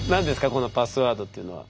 このパスワードっていうのは。